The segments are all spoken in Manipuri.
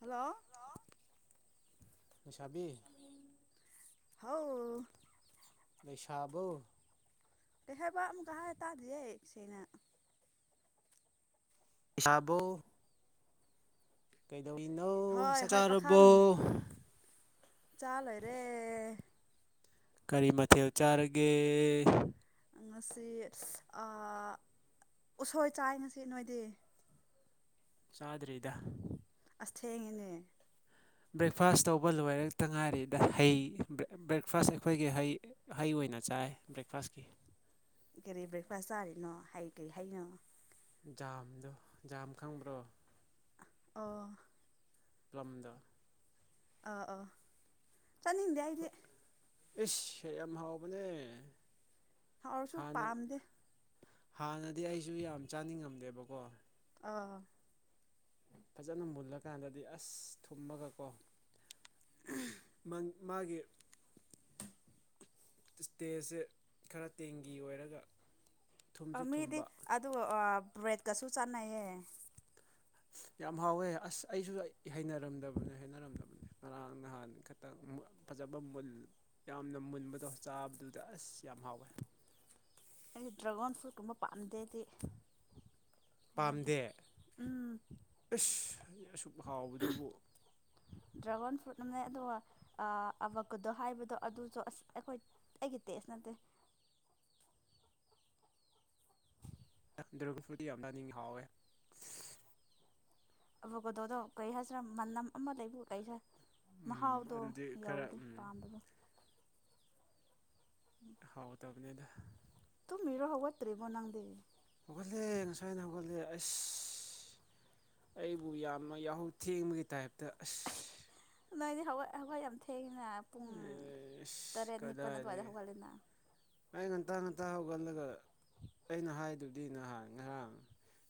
ꯍꯜꯂꯣ ꯁꯕꯤ ꯍꯥꯎ ꯄꯁꯥꯕꯣ ꯂꯩ ꯍꯦꯕ ꯑꯃ ꯀꯇꯥꯗꯦꯁꯅ ꯤꯁꯥꯕꯣ ꯅꯧ ꯍꯣꯏ ꯆꯥꯛꯆꯥꯥꯨꯔꯕꯣ ꯆꯜꯣꯏꯔꯦ ꯀꯔꯤ ꯃꯊ ꯆꯔꯒꯦ ꯉꯁꯤ ꯎꯁꯣꯏ ꯆꯥꯏ ꯉꯁꯤ ꯅꯣꯏꯗꯤ ꯆꯥꯗ꯭ꯔꯤꯗ ꯑꯦꯡꯉꯅꯦ ꯕ꯭ꯔꯦꯛꯐꯥꯁ ꯇꯧꯕ ꯂꯣꯏꯔꯛꯇ ꯉꯥꯏꯔꯤꯗ ꯍꯩ ꯕ꯭ꯔꯦꯛꯐꯥꯁ ꯑꯩꯈꯣꯏꯒꯤ ꯍꯩ ꯍꯩ ꯑꯣꯏ ꯄꯤꯅ ꯆꯥꯏ ꯕ꯭ꯔꯦꯛꯐꯥꯁꯀꯤ ꯀꯔꯤ ꯕ꯭ꯔꯦꯛꯐꯥꯁ ꯇꯥꯔꯤꯅꯣ ꯍꯥꯏ ꯀꯔꯤ ꯍꯥꯏꯅꯣ ꯖꯥꯝꯗꯣ ꯖꯥꯝ ꯈꯪꯕ꯭ꯔꯣ ꯑꯣ ꯄꯝꯗ ꯑ ꯑꯥ ꯆꯠꯗꯤꯏꯗꯤ ꯏꯁ ꯌꯥꯝ ꯍꯥꯎꯕꯅꯦ ꯍꯥꯎꯔꯁꯨ ꯍꯥꯟꯅ ꯄꯥꯝꯗꯦ ꯍꯥꯟꯅꯗꯤ ꯑꯩꯁꯨ ꯌꯥꯝ ꯆꯥꯅꯤꯡꯉꯝꯗꯦꯕꯀꯣ ꯑꯥ ꯐꯖꯅ ꯃꯨꯜꯂꯀꯥꯟꯗꯗꯤ ꯑꯁ ꯊꯨꯝꯃꯒꯀꯣ ꯃꯥꯒꯤ ꯏꯁꯇꯦꯖꯁꯦ ꯈꯔ ꯇꯦꯡꯒꯤ ꯑꯣꯏꯔꯒ ꯊꯨꯝꯁꯨ ꯃꯤꯗꯤ ꯊꯨꯝꯕ ꯑꯗꯨ ꯕ꯭ꯔꯦꯗꯀꯁꯨ ꯆꯥꯟꯅꯩꯌꯦ ꯑ ꯌꯥꯝ ꯍꯥꯎꯋꯦ ꯑꯁ ꯑꯩꯁꯨ ꯍꯩꯅꯔꯝꯗꯕꯅꯤ ꯍꯩꯅꯔꯝꯗꯕꯅꯦ ꯉꯔꯥꯡ ꯅꯍꯥꯟ ꯈꯇꯪ ꯐꯖꯕ ꯃꯨꯟ ꯌꯥꯝꯅ ꯃꯨꯟꯕꯗꯣ ꯆꯥꯕꯗꯨꯗ ꯑꯁ ꯌꯥꯝ ꯍꯥꯎꯋꯦ ꯑꯩꯒꯤ ꯗ꯭ꯔꯒꯣꯟ ꯐ꯭ꯔꯨ ꯇꯕ ꯄꯥꯝꯗꯦꯗꯤ ꯍꯩꯅꯗꯦ ꯄꯥꯝꯗꯦ ꯎꯝ ꯏꯁꯁ ꯑꯁꯨꯛ ꯍꯥꯎꯕꯗꯨꯕꯨ ꯗ꯭ꯔꯥꯒꯣꯟ ꯐ꯭ꯔꯨꯠ ꯑꯃ ꯂꯩ ꯑꯗꯨꯒ ꯑꯕꯀꯨꯗꯣ ꯍꯥꯏꯕꯗꯣ ꯑꯗꯨꯁꯨ ꯑꯁ ꯑꯩꯈꯣꯏ ꯑꯩꯒꯤ ꯇꯦꯁꯅ ꯇ ꯑ ꯗ꯭ꯔꯒ ꯐꯨꯠꯇꯤ ꯌꯥꯝꯅ ꯑꯅꯤꯡ ꯍꯥꯎꯋꯦ ꯑꯕ ꯀꯣꯗꯣꯗꯣ ꯀꯔꯤ ꯍꯥꯏꯗ꯭ꯔꯥ ꯃꯅꯝ ꯑꯃ ꯂꯩꯕꯨ ꯀꯩ ꯍꯥꯏ ꯎꯝ ꯃꯍꯥꯎꯗꯣ ꯑꯗꯨꯗꯤ ꯈꯔ ꯌꯥꯎꯗꯦ ꯎꯝ ꯄꯥꯝꯕꯗꯣ ꯍꯥꯎ ꯇꯕꯅꯤꯗ ꯃꯔꯣ ꯍꯒꯠ ꯇ꯭ꯔꯤꯔꯤꯕ ꯅꯪꯗꯦꯔꯤ ꯒꯦ ꯉꯁꯣꯏꯅ ꯒꯦ ꯑꯩꯁ ꯑꯩꯕꯨ ꯌꯥꯝꯅ ꯌꯥꯍꯧ ꯊꯦꯡꯕꯒꯤ ꯇꯥꯏꯞꯇ ꯑꯁ ꯅꯣꯏꯅꯦ ꯍꯋꯥꯏ ꯍꯋꯥꯏ ꯌꯥꯝ ꯊꯦꯡꯏꯤꯅ ꯄꯨꯡ ꯑꯦ ꯑꯁ ꯇꯔꯦꯠ ꯅꯤꯄꯜ ꯑꯗꯨꯋꯥꯏꯗ ꯀꯗꯥꯏꯗꯒꯤ ꯍꯧꯒꯠꯂꯦꯅ ꯑꯩ ꯉꯟꯇꯥ ꯉꯟꯇꯥ ꯍꯧꯒꯠꯂꯒ ꯑꯩꯅ ꯍꯥꯏꯗꯨꯗꯤ ꯅꯍꯥꯟ ꯉꯔꯥꯡ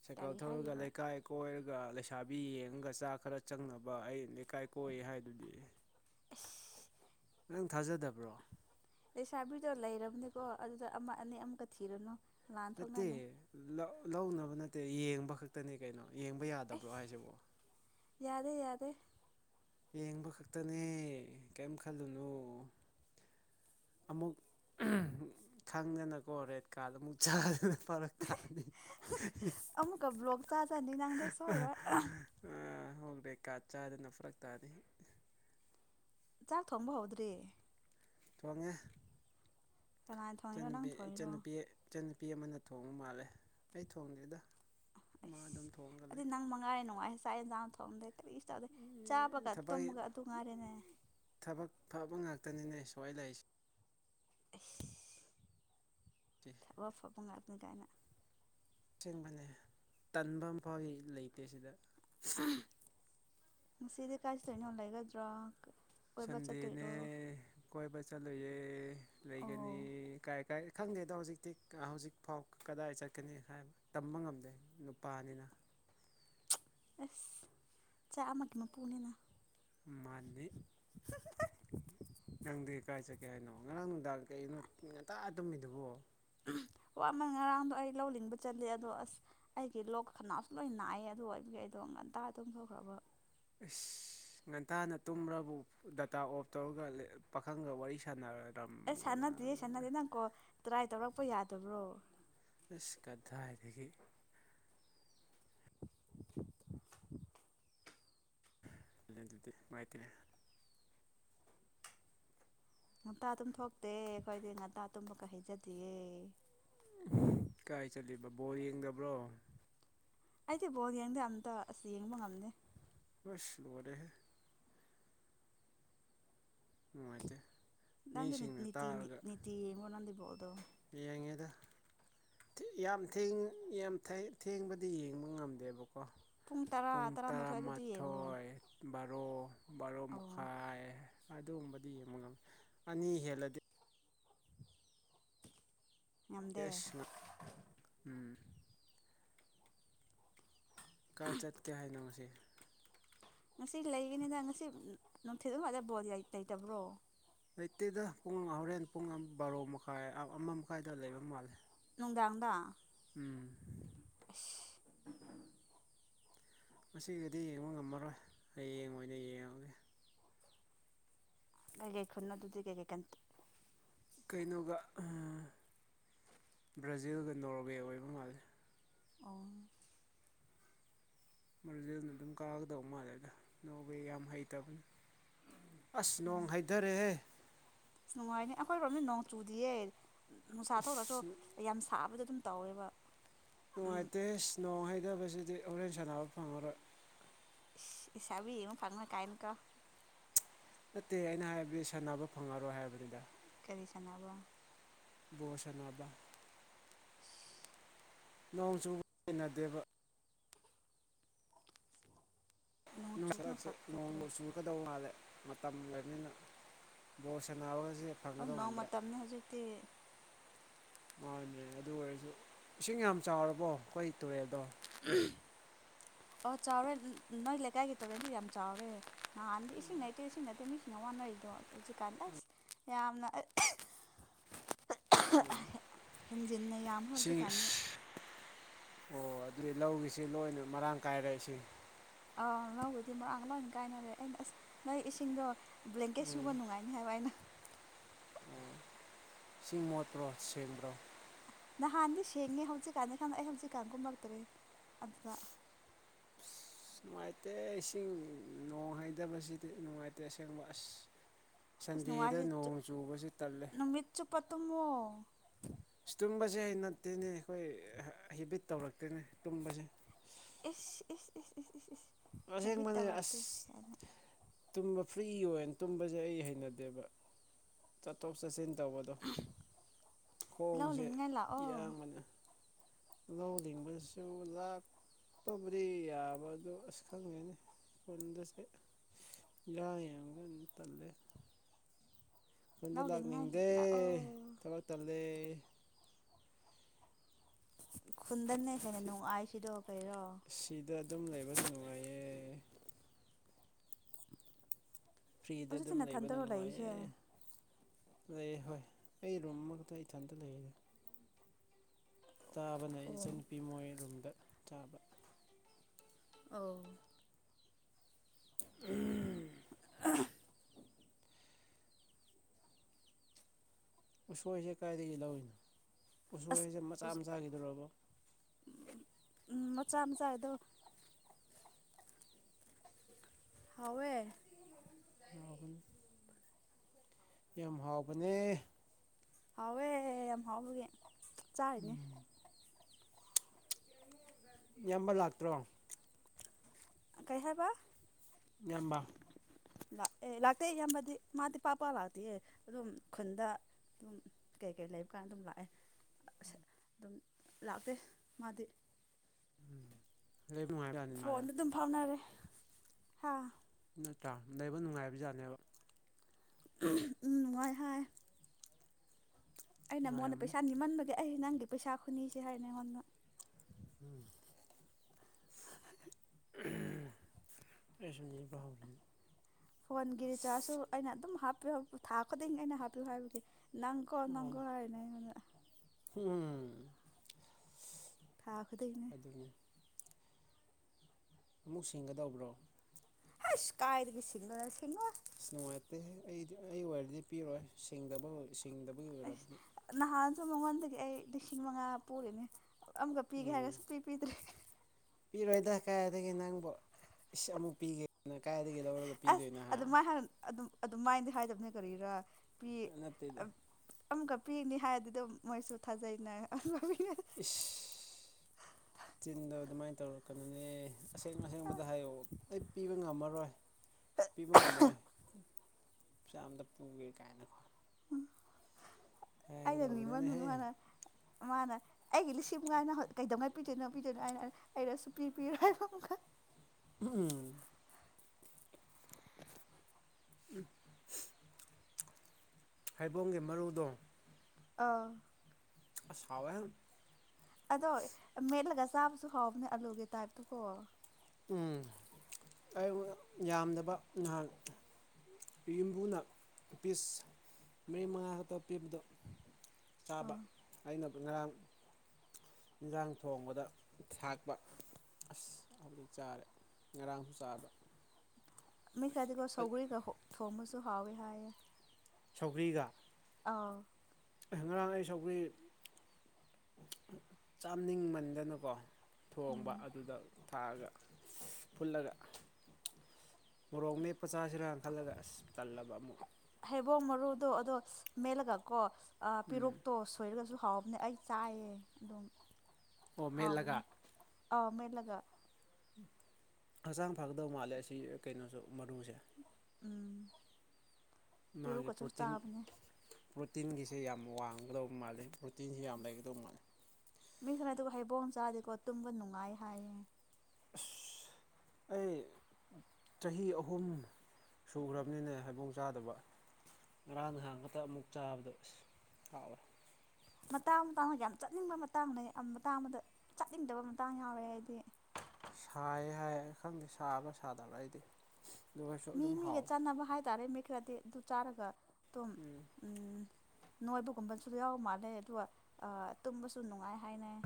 ꯁꯥꯏꯀꯜ ꯀꯔꯤ ꯊꯧꯔꯒ ꯍꯥꯏꯔꯤꯕ ꯂꯩꯀꯥꯏ ꯀꯣꯏꯔꯒ ꯊꯥꯕꯤ ꯌꯦꯡꯉꯒ ꯆꯥꯛ ꯈꯔ ꯆꯪꯅꯕ ꯑꯩ ꯂꯩꯀꯥꯏ ꯀꯣꯏ ꯍꯥꯏꯗꯨꯗꯤ [unintelligible] ꯅꯪ ꯊꯥꯖꯗꯕ꯭ꯔꯣ ꯂꯩꯁꯥꯕꯤꯗꯣ ꯂꯩꯔꯕꯅꯤꯀꯣ ꯑꯗꯨꯗ ꯑꯃ ꯑꯅꯤ ꯑꯃꯨꯛꯀ ꯊꯤꯔꯨꯅꯨ ꯅꯠꯇꯦ ꯂꯥꯟꯊꯣꯛꯅꯅꯤ ꯂ ꯂꯧꯅꯕ ꯅꯠꯇꯦ ꯌꯦꯡꯕ ꯈꯛꯇꯅꯦ ꯀꯩꯅꯣ ꯌꯦꯡꯕ ꯌꯥꯗꯕ꯭ꯔꯣ ꯑꯩꯁ ꯍꯥꯏꯁꯤꯕꯣ ꯌꯥꯗꯦ ꯌꯥꯗꯦ ꯌꯦꯡꯕ ꯈꯛꯇꯅꯦ ꯀꯔꯤꯝ ꯈꯜꯂꯨꯅꯨ ꯑꯃꯨꯛ ꯈꯪꯗꯅꯀꯣ ꯔꯦꯠ ꯀꯥꯔꯗ ꯑꯃꯨꯛ ꯆꯥꯗꯅ ꯐꯔꯛꯀꯅꯤ ꯆꯥꯖꯥꯅꯤꯅꯥꯗꯁ ꯍꯔ ꯕꯦꯛꯀꯥ ꯆꯥꯗꯅ ꯐꯔꯛ ꯇꯥꯅꯤ ꯆꯥꯛ ꯊꯣꯡꯕ ꯍꯧꯗ꯭ꯔꯤ ꯉꯦ ꯀꯅꯥꯅ ꯊꯣꯡꯉꯤꯅꯣ ꯅꯪ ꯏꯨꯄꯤ ꯊꯣꯡꯉꯤꯔꯣ ꯏꯆꯟꯅꯨꯄꯤ ꯏꯆꯟꯅꯨꯄꯤ ꯑꯃꯅ ꯊꯣꯡꯕ ꯃꯥꯜꯂꯦ ꯑꯩ ꯊꯣꯡꯗ꯭ꯦꯗ ꯑꯁ ꯑꯗꯨꯗꯤ ꯅꯪ ꯃꯉꯥꯔꯤ ꯅꯨꯡꯉꯥꯏ ꯆꯥꯛ ꯌꯦꯟꯖꯥꯡ ꯊꯣꯛꯑꯝꯗꯦ ꯀꯔꯤꯁꯨ ꯇꯗꯦ ꯆꯥꯕꯒ ꯊꯕꯛ ꯇꯨꯝꯃꯒ ꯑꯗꯨ ꯉꯥꯏꯔꯦꯅꯦ ꯊꯕꯛ ꯐꯕ ꯉꯥꯛꯇꯅꯤꯅꯦ ꯁꯣꯏ ꯂꯩꯔꯤꯁꯦ [unintelligible] ꯈ ꯋꯥ ꯐꯕꯉꯥꯏꯄ ꯀꯥꯏꯅ ꯆꯦꯡꯕꯅꯦ ꯇꯟꯕ ꯑꯃ ꯐꯥꯎꯗꯤ ꯂꯩꯇꯦ ꯁꯤꯗ ꯁꯤꯗꯤ ꯀꯖ ꯂꯩꯅ ꯍꯂꯒ ꯗ꯭ꯔꯒ ꯁꯟꯗꯦꯅꯦ ꯀꯣꯏꯕ ꯆꯠꯂꯨꯌꯦ ꯑꯣ ꯂꯩꯒꯅꯤ ꯀꯥꯏ ꯀꯥꯏ ꯈꯪꯗꯦꯗꯣ ꯍꯧꯖꯤꯛꯇꯤ ꯍꯧꯖꯤꯛꯐꯥꯎ ꯀꯗꯥꯏ ꯆꯠꯀꯅꯤ ꯍꯥꯏꯕ ꯇꯝꯕ ꯉꯝꯗꯦ ꯅꯨꯄꯥꯅꯤꯅ ꯑꯦꯁ ꯆꯥꯛ ꯑꯃꯃꯀꯤꯃ ꯄꯣꯟꯅ ꯃꯥꯜꯂꯤ ꯅꯪꯗꯤ ꯀꯥꯏ ꯆꯠꯀꯦ ꯍꯥꯏꯅꯣ ꯉꯔꯥꯡ ꯅꯨꯡꯗꯥꯡ ꯀꯒꯤꯅꯣ ꯉꯇ ꯇꯨꯝꯃꯤꯗꯨꯕꯣ ꯋꯥꯃꯟ ꯉꯔꯥꯡꯗꯣ ꯑꯩ ꯂꯧ ꯂꯤꯡꯕ ꯆꯠꯂꯤꯦ ꯑꯗꯣ ꯑꯁ ꯑꯩꯒꯤ ꯂꯣꯛ ꯈꯅꯥꯎꯁꯨ ꯂꯣꯏ ꯅꯥꯏ ꯑꯗꯨ ꯑꯣꯏꯕꯒꯤ ꯑꯩꯗꯣ ꯉꯟꯇꯥ ꯑꯗꯨꯝ ꯐꯈ꯭ꯔꯕ ꯑꯁ ꯉꯟꯇꯥꯅ ꯇꯨꯝꯕꯕꯨ ꯗꯇꯥ ꯑꯣꯐ ꯇꯧꯔꯒ ꯄꯥꯈꯪꯒ ꯋꯥꯔꯤ ꯁꯥꯟꯅꯔꯅꯤ ꯑꯁ ꯁꯥꯟꯅꯗꯦ ꯁꯥꯟꯅꯗꯦ ꯅꯪꯀꯣ ꯇ꯭ꯔꯥꯏ ꯇꯧꯔꯛꯄ ꯌꯥꯗꯕ꯭ꯔꯣ ꯑ ꯀꯗꯥꯥꯏꯏꯗꯒꯤ [unintelligible] ꯑꯗꯨꯗꯤ ꯃꯥꯏꯇꯅꯦ ꯉꯟꯇꯥ ꯑꯗꯨꯨꯝ ꯊꯣꯛꯇꯦ ꯑꯩꯈꯣꯏꯗꯤ ꯉꯟꯇꯥ ꯇꯨꯝꯕꯀ ꯍꯩꯖꯗꯌꯦꯦ ꯀꯥꯏ ꯆꯠꯂꯤꯕ ꯕꯣꯔ ꯌꯦꯡꯗꯕ꯭ꯔꯣ ꯑꯩꯗꯤ ꯕꯣꯜ ꯌꯦꯡꯗꯦ ꯑꯝꯇ ꯑꯁꯤꯁ ꯌꯦꯡꯕ ꯉꯝꯗꯦ ꯄꯤꯁ ꯂꯔꯦꯍꯦ ꯅꯨꯡꯉꯥꯏꯇꯦ ꯅꯪꯗꯤ ꯃꯤꯁꯤꯡꯅ ꯅꯤꯇꯤ ꯇꯥꯔꯒ ꯅꯤꯇꯤ ꯌꯦꯡꯕ꯭ꯔꯣ ꯅꯪꯗꯤ ꯕꯣꯜꯗꯣ ꯌꯦ ꯦꯡ ꯌꯦꯡ ꯋꯥ ꯇꯔꯥ ꯄꯨꯡ ꯇꯔꯥꯃꯥꯊꯣꯏ ꯑꯗꯨꯗꯤ ꯌꯦꯡꯉꯨꯔꯣ ꯇꯔꯥꯃꯥꯊꯣꯏ ꯕꯥꯔꯣ ꯕꯥꯔꯣ ꯑꯧ ꯃꯈꯥꯏ ꯑꯗꯨꯒꯨꯝꯕꯗꯤ ꯌꯦꯡꯕ ꯉꯝꯃꯤ ꯑꯅꯤ ꯍꯦꯜꯂꯗꯤ ꯉꯝꯗꯦ ꯑꯦꯁ ꯎꯝ ꯀꯥꯏ ꯆꯠꯀꯦ ꯍꯥꯏꯅꯣꯁꯤ ꯉꯁꯤ ꯂꯩꯒꯤꯅꯤꯗ ꯉꯁꯤ ꯅꯨꯡꯊꯤꯠ ꯑꯗꯨꯋꯥꯗ ꯕꯣ ꯂꯩꯇꯕ꯭ꯔꯣ ꯂꯩꯇꯦꯗ ꯄꯨꯡ ꯍꯣꯔꯦꯟ ꯄꯨꯡ ꯕꯥꯔꯣ ꯃꯈꯥꯏ ꯑꯃ ꯃꯈꯥꯏꯗ ꯂꯩꯕ ꯃꯥꯜꯂꯦ ꯁꯅꯨꯡꯗꯥꯡꯗ ꯎꯝ ꯃꯁꯤꯒꯗꯤ ꯌꯦꯡꯕ ꯉꯝꯃꯔꯣꯏ ꯍꯌꯦꯡ ꯑꯣꯏꯅ ꯌꯦꯡꯉꯒꯦ ꯀꯩꯒꯩ ꯈꯅꯗꯨꯗꯤ ꯀꯩꯒꯩꯀꯇ ꯀꯩꯅꯣꯒ ꯕ꯭ꯔꯥꯖꯤꯜꯒ ꯅꯣꯔꯋꯦ ꯑꯣꯏꯕ ꯃꯥꯜꯂꯤꯦ ꯑꯣ ꯃꯔꯨꯁꯤ ꯑꯗꯨꯅ ꯑꯗꯨꯝ ꯀꯥꯒꯗꯕ ꯃꯥꯜꯂꯦ ꯑꯗ ꯂꯧꯕꯩ ꯌꯥꯝ ꯍꯩꯇꯕꯅꯤ ꯑꯁ ꯅꯣꯡ ꯍꯥꯏꯩꯊꯔꯦꯍꯦ ꯑꯁ ꯅꯨꯡꯉꯥꯏꯅꯤ ꯑꯩꯈꯣꯏꯔꯣꯝꯗꯤ ꯅꯣꯡ ꯆꯨꯗꯤꯌꯦ ꯅꯨꯡꯁꯥ ꯊꯣꯛꯂꯁꯨ ꯑꯁ ꯌꯥꯝ ꯁꯥꯕꯗ ꯑꯗꯨꯨꯝ ꯇꯧꯋꯦꯕ ꯎꯝ ꯅꯨꯡꯉꯥꯏꯇꯦ ꯏꯁ ꯅꯣꯡ ꯍꯩꯇꯕꯁꯤꯗꯤ ꯍꯣꯔꯦꯟ ꯁꯥꯟꯅꯕ ꯐꯪꯉꯔꯣꯏ ꯁꯕꯤ ꯐꯪꯅ ꯀꯅꯤ ꯀ ꯅꯠꯇꯦ ꯑꯩꯅ ꯍꯥꯏꯕꯗꯤ ꯁꯥꯟꯅꯕ ꯐꯪꯉꯔꯣꯏ ꯍꯥꯏꯕꯅꯤꯗ ꯀꯔꯤ ꯁꯥꯟꯕ ꯣꯁꯅꯕꯕꯥ ꯅꯣꯡ ꯆꯨꯕ ꯆꯅꯗꯦꯕ ꯅꯣꯡ ꯆꯨꯕꯅ ꯐꯠ ꯆꯔꯛꯁꯦꯣꯡ ꯐꯠꯇ꯭ꯔꯣ ꯁꯨꯜꯀꯗꯧ ꯃꯥꯗꯦ ꯃꯅꯤꯅ ꯣꯁꯅꯎ ꯅꯣꯡꯃ ꯃꯇꯝꯅꯦ ꯍꯧꯖꯤꯛꯇꯛꯇꯤ ꯃꯥꯗ꯭ꯔꯦ ꯑꯗꯨ ꯑꯣꯏꯔꯁꯨ ꯏꯁꯤꯡ ꯌꯥꯝ ꯆꯥꯎꯔꯕꯣ ꯑꯩꯈꯣꯏ ꯇꯨꯔꯦꯜꯗꯣ ꯑꯣ ꯆꯥꯎꯔꯦ ꯅꯣꯏ ꯂꯩꯀꯥꯏꯒꯤ ꯇꯔꯦꯟꯗꯤ ꯌꯥꯝ ꯆꯥꯎꯋꯦ ꯅꯍꯥꯟꯗꯤ ꯏꯁꯤꯡ ꯂꯩꯇꯦ ꯏꯁꯤꯡ ꯅꯠꯇꯦ ꯃꯤꯁꯤꯡ ꯋꯥꯅꯔꯤꯗꯣ ꯑ ꯍꯧꯖꯤꯛꯀꯥꯟꯗ ꯑꯁ ꯌꯥꯝꯅ ꯍꯝꯦ ꯍꯦꯟꯖꯤꯟꯅ ꯌꯥꯝꯈ꯭ꯔꯦ ꯍꯧꯖꯤꯛ ꯏꯁꯤꯡ ꯀꯥꯟꯗꯤ ꯑꯣ ꯑꯗꯨꯗꯤ ꯂꯧꯒꯤꯁꯤ ꯂꯣꯏꯅ ꯃꯔꯥꯡ ꯀꯥꯏꯔꯛꯏꯁꯤ ꯑꯥꯎ ꯂꯧꯕꯗꯤ ꯃꯔꯥꯡ ꯂꯣꯏ ꯀꯥꯏꯅꯔꯦ ꯑꯩꯅ ꯑꯁ ꯅꯣꯏ ꯏꯁꯤꯡꯗꯣ ꯕ꯭ꯂꯦꯡꯀꯦꯠ ꯎꯝ ꯁꯨꯕ ꯅꯨꯡꯉꯥꯏꯅꯤ ꯍꯥꯏꯕ ꯑꯩꯅ ꯁꯤꯡ ꯃꯣꯠꯇ꯭ꯔꯣ ꯁꯦꯝꯦꯡꯕ꯭ꯔꯣ ꯅꯍꯥꯟꯗꯤ ꯁꯦꯡꯉꯦ ꯍꯧꯖꯤꯛꯀꯥꯟꯅꯤ ꯈꯪꯗ ꯑꯩ ꯍꯧꯖꯤꯛꯀꯥꯟꯒꯨꯝꯂꯛꯇ꯭ꯔꯦ ꯑꯗꯨꯗ ꯑꯁ ꯅꯨꯡꯉꯥꯏꯇꯦ ꯏꯁꯤꯡ ꯅꯣꯡ ꯍꯩꯇꯕꯁꯤꯗꯤ ꯅꯨꯡꯉꯥꯏꯇꯦ ꯑꯁꯦꯡꯕ ꯑꯁ ꯑꯁ ꯁꯟꯗꯦꯗ ꯅꯨꯡꯉꯥꯏꯁꯦ ꯅꯣꯡ ꯆꯨꯕꯁꯨ ꯇꯜꯂꯦ ꯅꯨꯃꯤꯠ ꯆꯨꯞꯄ ꯇꯨꯝꯃꯣ ꯇꯨꯝꯕꯁꯦ ꯑꯩ ꯅꯠꯇꯦꯅꯦ ꯑꯩꯈꯣꯏ ꯍꯦꯕꯤꯠ ꯇꯧꯔꯛꯇꯦꯅꯦ ꯇꯨꯝꯕꯁꯦ ꯏꯁ ꯏꯁ ꯏꯁ ꯏꯁ ꯏꯁ ꯏꯁ ꯍꯦꯕꯤꯠ ꯑꯁꯦꯡꯕꯅꯦ ꯑꯁ ꯇꯧꯔꯛꯇꯦ ꯀꯥꯏꯅ ꯇꯨꯝꯕ ꯐ꯭ꯔꯤ ꯑꯣꯏꯅ ꯇꯨꯝꯕꯁꯦ ꯑꯩ ꯍꯩꯅꯗꯦꯕ ꯆꯠꯊꯣꯛ ꯆꯠꯁꯤꯟ ꯇꯧꯕꯗꯣ ꯂꯧ ꯈꯣꯡꯁꯦ ꯂꯤꯡꯅꯤꯡꯉꯥꯏ ꯂꯥꯛꯑꯣ ꯏꯡꯕꯅ ꯂꯧ ꯂꯤꯡꯕꯗꯁꯨ ꯂꯥꯛꯄꯕꯨꯔꯤ ꯌꯥꯕ ꯑꯗꯨ ꯑꯁ ꯈꯪꯉꯦꯅꯤ ꯀꯗꯁꯨꯦ ꯌꯥꯥꯡ ꯌꯥꯝꯒ ꯇꯜꯂꯦ ꯀꯟꯗ ꯂꯧ ꯂꯤꯡꯅꯤꯡꯉꯥꯏ ꯂꯥꯛꯅꯤꯡꯗꯦ ꯂꯥꯛꯑꯣ ꯊꯕꯛ ꯇꯜꯗꯦ ꯈꯨꯟꯗꯟꯅ ꯍꯦꯟꯅ ꯁꯤ ꯅꯨꯡꯉꯥꯏꯁꯤꯗꯣ ꯀꯩꯔꯣ ꯁꯤꯗ ꯑꯗꯨꯝ ꯂꯩꯕꯅ ꯅꯨꯡꯉꯥꯏꯌꯦ ꯐ꯭ꯔꯤꯗ ꯍꯧꯖꯤꯛꯇꯤ ꯑꯗꯨꯝ ꯂꯩꯕꯅ ꯅꯊꯟꯇꯔꯣ ꯂꯩꯔꯤꯁꯦ ꯅꯨꯡꯉꯥꯏꯌꯦ ꯑ ꯍꯣꯏ ꯑꯩ ꯔꯨꯝꯃꯛꯇ ꯏꯊꯟꯇ ꯂꯩꯔꯤꯔꯦ ꯆꯥꯕꯅ ꯑꯩ ꯑꯣ ꯏꯆꯟꯅꯨꯄꯤ ꯃꯣꯏ ꯔꯨꯝꯗ ꯆꯥꯕ ꯑ ꯎꯝ ꯎꯁꯣꯏꯁꯦ ꯀꯗꯥꯥꯏꯗꯒꯤ ꯂꯧꯔꯤꯅꯣ ꯑꯁ ꯎꯁꯣꯏꯁꯦ ꯃꯆꯥ ꯃꯆꯥꯥꯈꯤꯗꯧꯔꯕꯣ ꯃꯣꯆꯥ ꯃꯆꯥꯗ ꯍꯋꯦ ꯉꯕꯅꯤ ꯌꯥꯝ ꯍꯥꯎꯕꯅꯦ ꯍꯥꯎꯋꯦ ꯌꯥꯝ ꯍꯥꯎꯕꯒꯦ ꯆꯥꯅꯦ ꯎꯝ ꯏꯌꯥꯝꯕ ꯂꯥꯛꯇ꯭ꯔꯣ ꯀꯥꯏꯍꯕ ꯌꯥꯝꯕ ꯑꯦ ꯂꯥꯛꯇꯦ ꯏꯌꯥꯝꯕꯗꯤ ꯃꯥꯗꯤ ꯄꯥꯛꯄ ꯂꯥꯛꯇꯦꯌꯦ ꯑꯗꯨꯝ ꯈꯨꯟꯗ ꯑꯗꯨꯝ ꯀꯩꯀꯩ ꯂꯩꯕ ꯀꯥꯟ ꯑꯗꯨꯝ ꯂꯥꯛꯑꯦ ꯑꯁ ꯑꯗꯨꯝ ꯂꯥꯛꯇꯦ ꯃꯥꯗꯤ ꯎꯝ ꯂꯩꯕ ꯅꯨꯡꯉꯥꯏꯕꯖꯥꯠꯅꯤ ꯃꯥꯜꯂꯦ ꯐꯣꯟꯗ ꯑꯗꯨꯝ ꯐꯥꯎꯅꯔꯦ ꯍꯥ ꯅꯠꯇ꯭ꯔꯥ ꯂꯩꯕ ꯅꯨꯡꯉꯥꯏꯕ ꯖꯥꯠꯅꯦꯕ ꯎ ꯋꯥ ꯋꯥꯏ ꯍ ꯑꯩꯅ ꯃꯉꯣꯟꯗ ꯅꯨꯡꯉꯥꯏꯔꯝꯅꯤ ꯄꯩꯁꯥ ꯅꯤꯃꯟꯕꯒꯤ ꯑꯩ ꯅꯪꯒꯤ ꯄꯩꯁꯥ ꯈꯨꯅꯤꯁꯦ ꯍꯥꯏꯔꯅꯦ ꯑꯩꯉꯣꯟꯗ ꯎꯝ ꯔꯦꯁꯟꯅꯤ ꯥꯎꯧꯒꯤ ꯐꯣꯟꯒꯤ ꯔꯤꯆꯥꯔꯖꯁꯨ ꯑꯩꯅ ꯑꯗꯨꯝ ꯍꯥꯞꯄꯤꯌꯨ ꯊꯥ ꯈꯨꯗꯤꯡ ꯑꯩꯅ ꯍꯥꯞꯄꯤꯌꯨ ꯍꯥꯏꯕꯒꯤ ꯅꯅꯥꯪꯀꯣ ꯑꯣ ꯅꯅꯥꯪꯀꯣ ꯍꯥꯏꯅ ꯎꯝ ꯊꯈꯗꯅꯦ ꯑꯗꯨꯅꯤ ꯑꯃꯨꯛ ꯁꯦꯡꯒꯗꯧꯕ꯭ꯔꯣ ꯍꯁ ꯀꯥꯏꯒꯤ ꯁꯤꯁꯤꯡꯣꯗ ꯁꯤꯁꯤꯡ ꯑꯁ ꯅꯨꯡꯉꯥꯏꯇꯦ ꯑꯩꯗꯤ ꯑꯩ ꯑꯣꯏꯔꯗꯤ ꯄꯤꯔꯣꯏ ꯁꯦꯡꯗꯕ ꯑꯁ ꯅꯍꯥꯟꯁꯨ ꯃꯉꯣꯟꯗꯒꯤ ꯑꯩ ꯂꯤꯁꯤꯡ ꯃꯉꯥ ꯄꯨꯔꯤꯅꯦ ꯑꯃꯒ ꯄꯤꯒꯦ ꯎꯝ ꯍꯥꯏꯔꯒꯁꯨ ꯄꯤ ꯄꯤꯗ꯭ꯔꯦ ꯄꯤꯔꯣꯏꯗ ꯀꯥꯏ ꯑꯗꯒꯤ ꯅꯪꯕꯨ ꯏꯁ ꯑꯃꯨꯛ ꯄꯤꯒꯦꯅ ꯀꯥꯏ ꯑꯁ ꯑꯗꯨ ꯃꯥꯏ ꯑꯗꯨꯝ ꯑꯗꯨ ꯃꯥꯏꯅꯗꯤ ꯍꯥꯏꯗꯕꯅꯦ ꯀꯔꯤꯔꯥ ꯅꯠꯇꯗ ꯑꯃꯈꯛ ꯄꯤꯔꯤꯅꯤ ꯍꯥꯏꯕꯗꯨ ꯑꯗꯨꯝ ꯃꯣꯏꯁꯨ ꯊꯥꯖꯩꯩꯅ ꯏꯁ ꯆꯤꯟꯗꯣ ꯑꯗꯨꯃꯥꯏꯅ ꯇꯧꯔꯛꯀꯅꯨꯅꯦ ꯑꯁꯦꯡ ꯑꯁꯦꯡꯕꯗ ꯍꯥꯏꯌꯣ ꯑꯩ ꯄꯤꯕ ꯉꯝꯃꯔꯣꯏ ꯄꯤꯕ ꯉꯝꯃꯣꯏ ꯄꯩꯁꯥ ꯑꯝꯇ ꯄꯨꯒꯦ ꯀꯥꯏꯅꯀꯣ ꯑꯩꯅ ꯍꯥꯏꯒꯗꯧꯕꯅꯤꯅꯦꯍꯦ [unintelligible] ꯃꯥꯅ ꯑꯩꯒꯤ ꯂꯤꯁꯤꯡ ꯃꯉꯥ ꯅꯪ ꯀꯩꯗꯧꯉꯩ ꯄꯤꯗꯣꯏꯅꯣ ꯄꯤꯗꯣꯏꯅꯣ ꯍꯥꯏꯅ ꯑꯩꯅ ꯁꯨꯄꯤ ꯄꯤꯔꯣꯏ ꯍꯥꯏꯕ ꯑꯃꯨꯛꯀ ꯎꯝ [inaudible] ꯍꯩꯕꯣꯡꯒꯤ ꯃꯔꯨꯗꯣ ꯑꯥ ꯑꯁ ꯍꯥꯎꯋꯦꯍꯦ ꯑꯗꯣ ꯃꯦꯠꯂꯒ ꯆꯥꯕꯁꯨ ꯍꯥꯎꯕꯅꯦ ꯑꯂꯨꯒꯤ ꯇꯥꯏꯞꯇ ꯀꯣ ꯎꯝ ꯑꯩ ꯌꯥꯝꯗꯕ ꯅꯍꯥꯛ ꯌꯨꯝꯕꯨꯅ ꯄꯤꯁ ꯃꯔꯤ ꯃꯉꯥ ꯈꯛꯇ ꯄꯤꯕꯗꯣ ꯆꯥꯕ ꯑꯥ ꯑꯩꯅ ꯉꯔꯥꯡ ꯏꯟꯁꯥꯡ ꯊꯣꯡꯕꯗ ꯊꯥꯛꯄ ꯑꯁ ꯍꯧꯖꯤꯛ ꯆꯥꯔꯦ ꯉꯔꯥꯡꯁꯨ ꯆꯥꯕ ꯃꯤ ꯈꯔꯗꯤꯀꯣ ꯑꯩ ꯁꯧꯒꯔꯤꯒ ꯊꯣꯡꯕꯁꯨ ꯍꯥꯎꯋꯦ ꯍꯥꯏꯌꯦ ꯁꯧꯒ꯭ꯔꯤꯒ ꯑꯥ ꯉꯔꯥꯡ ꯑꯩ ꯁꯧꯒ꯭ꯔꯤ ꯆꯥꯝꯅꯤꯡꯃꯟꯗꯅꯀꯣ ꯎꯝ ꯊꯣꯡꯕ ꯑꯗꯨꯗ ꯊꯥꯛꯑꯒ ꯐꯨꯠꯂꯒ ꯃꯣꯔꯣꯛ ꯃꯦꯠꯄ ꯆꯥꯁꯤꯔ ꯈꯜꯂꯒ ꯑꯁ ꯇꯜꯂꯕ ꯑꯃꯨꯛ ꯕꯣꯡ ꯃꯔꯨꯗꯣ ꯑꯗꯣ ꯃꯦꯜꯠꯂꯒꯀꯣ ꯑ ꯎꯝ ꯄꯦꯔꯨꯛꯇꯣ ꯁꯣꯏꯔꯒꯁꯨ ꯍꯥꯎꯕꯅꯦ ꯑꯩ ꯆꯥꯏꯌꯦ ꯑꯗꯨꯝ ꯑꯣ ꯃꯦꯠꯂꯒ ꯍꯥꯎꯕꯅꯦ ꯑꯧ ꯃ ꯂꯒ ꯍꯛꯆꯥꯡ ꯐꯒꯗꯧ ꯃꯥꯜꯂꯦ ꯑꯁꯤ ꯀꯩꯅꯣꯁꯨ ꯃꯔꯨꯁꯦ ꯎꯝ ꯃꯥꯒꯤ ꯄꯤꯔꯨꯛꯀꯁꯨ ꯄ꯭ꯔꯣꯇꯤꯟ ꯆꯥꯕꯅꯦ ꯄ꯭ꯔꯣꯇꯤꯟꯒꯤ ꯁꯦ ꯌꯥꯝ ꯋꯥꯡꯒꯗꯧꯕ ꯃꯥꯜꯂꯦ ꯄ꯭ꯔꯣꯇꯤꯟꯁꯤ ꯌꯥꯝ ꯂꯩꯒꯗꯧꯕ ꯃꯥꯜꯂꯤ ꯃꯤ ꯈꯔ ꯑꯗꯨꯒ ꯍꯩꯕꯣꯡ ꯆꯥꯗꯦꯀꯣ ꯇꯨꯝꯕ ꯅꯨꯡꯉꯥꯏ ꯍꯥꯏꯌꯦ ꯑꯁ ꯑꯩ ꯆꯍꯤ ꯑꯍꯨꯝ ꯁꯨꯈ꯭ꯔꯕꯅꯤꯅꯦ ꯍꯩꯕꯣꯡ ꯆꯥꯗꯕ ꯉꯔꯥꯡ ꯅꯍꯥꯟ ꯈꯇ ꯑꯃꯨꯛ ꯆꯥꯕꯗꯣ ꯑꯁ ꯍꯥꯎꯋꯦ ꯃꯇꯥꯡ ꯃꯇꯥꯡ ꯌꯥꯝ ꯆꯠꯅꯤꯡꯕ ꯃꯇꯥꯡꯅꯦ ꯃꯇꯥꯡ ꯑꯃꯗ ꯆꯥꯅꯤꯡꯗꯕ ꯃꯇꯥꯡ ꯌꯥꯎꯔꯦ ꯑꯩꯗꯤ ꯁꯥꯏ ꯍꯥꯏ ꯈꯪꯗꯦ ꯁꯥꯕ꯭ꯔ ꯁꯥꯗꯕ ꯑꯩꯗꯤ ꯑꯗꯨ ꯑꯣꯏꯔꯁꯨ ꯃꯤ ꯑꯗꯨꯝ ꯃꯤꯒ ꯍꯥꯎꯋꯦ ꯆꯥꯟꯅꯕ ꯍꯥꯏꯇꯥꯥꯔꯦ ꯃꯤ ꯈꯔꯗꯤ ꯑꯗꯨ ꯆꯥꯔꯒ ꯑꯗꯨꯝ ꯎꯝ ꯅꯣꯏꯕꯒꯨꯝꯕꯁꯨ ꯌꯥꯎ ꯃꯥꯜꯂꯦ ꯑꯗꯨꯒ ꯇꯨꯝꯕꯁꯨ ꯅꯨꯡꯉꯥꯏ ꯍꯥꯏꯅꯩ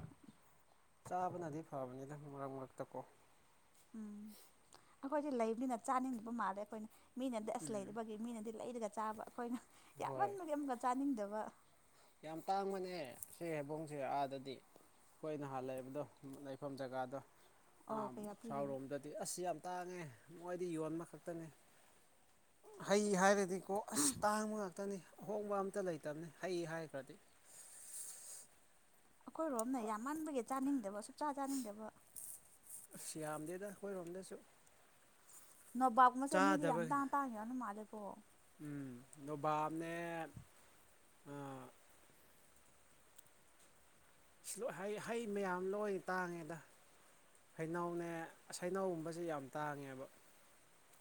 ꯆꯥꯕꯅꯗꯤ ꯐꯕꯅꯤꯗ ꯃꯔꯛ ꯃꯔꯛꯇ ꯀꯣ ꯎꯝ ꯑꯩꯈꯣꯏꯗꯤ ꯂꯩꯕꯅꯤꯅ ꯆꯥꯅꯤꯡꯗꯕ ꯃꯥꯜꯂꯦ ꯑꯩꯈꯣꯏꯅ ꯃꯤꯅꯗꯤ ꯑꯁ ꯎꯝ ꯂꯩꯗꯕꯒꯤ ꯃꯤꯅꯗꯤ ꯂꯩꯔꯒ ꯆꯥꯕ ꯑꯩꯈꯣꯏꯅ ꯍꯣꯏ ꯌꯥꯝꯃꯟꯕꯒꯤ ꯑꯃꯨꯛꯀ ꯆꯥꯅꯤꯡꯗꯕ ꯌꯥꯝ ꯇꯥꯡꯕꯅꯦ ꯁꯤ ꯍꯩꯕꯣꯡꯁꯦ ꯑꯥꯗꯗꯤ ꯑꯩꯈꯣꯏ ꯅꯍꯥꯟ ꯂꯩꯕꯗꯣ ꯂꯩꯐꯝ ꯖꯒꯥꯗꯣ ꯑꯣ ꯀꯌꯥ ꯄꯤꯒꯦ ꯁꯥꯎꯔꯣꯝꯗꯗꯤ ꯑꯁ ꯌꯥꯝ ꯇꯥꯡꯉꯦ ꯃꯣꯏꯗꯤ ꯌꯣꯟꯕ ꯈꯛꯇꯅꯦ ꯍꯩ ꯍꯥꯏꯔꯗꯤ ꯑꯣ ꯑꯁ ꯇꯥꯡꯕ ꯉꯥꯛꯇꯅꯤ ꯑꯍꯣꯡꯕ ꯑꯝꯇ ꯂꯩꯇꯕꯅꯤ ꯍꯩ ꯍꯥꯏꯈ꯭ꯔꯗꯤ ꯑꯈꯣꯏꯔꯣꯝꯅ ꯌꯥꯝꯃꯟꯕꯒꯤ ꯆꯥꯅꯤꯡꯗꯕ ꯁꯨꯡꯆꯥ ꯆꯥꯅꯤꯡꯗꯕ ꯗꯈꯣꯏꯔꯝꯗꯁꯨ ꯅꯣꯕꯥꯕ ꯒꯨꯝꯕꯁꯦ ꯃꯤꯗꯤ ꯌꯥꯝ ꯇꯥꯡ ꯇꯥꯡꯅ ꯌꯣꯟꯕ ꯃꯥꯜꯂꯦꯀꯣ ꯎꯝ ꯑꯗꯣ ꯅꯣꯕꯥꯕ ꯅꯦ ꯍꯩ ꯃꯌꯥꯝ ꯂꯣꯏ ꯇꯥꯡꯉꯦꯗ ꯍꯩꯅꯎꯅꯦ ꯁꯩꯅꯎꯒꯨꯝꯕꯁꯦ ꯌꯥꯝ ꯇꯥꯡꯉꯦꯕ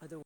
ꯑꯗꯨ